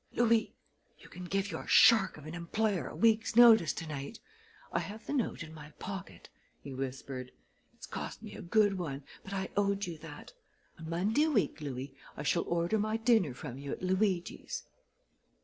"Louis, you can give your shark of an employer a week's notice to night! I have the note in my pocket," he whispered. "It's cost me a good one; but I owed you that. On Monday week, Louis, I shall order my dinner from you at Luigi's."